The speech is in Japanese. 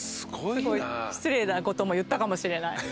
失礼なことも言ったかもしれない当時。